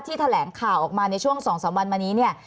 แถลงข่าวออกมาในช่วง๒๓วันมานี้เนี่ย